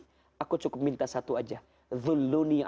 kalau aku ingin mengembalikan semua harta yang saya miliki